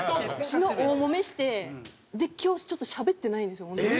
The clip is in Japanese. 昨日大揉めして今日しゃべってないんですよホントに。